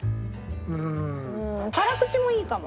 うーん辛口もいいかも。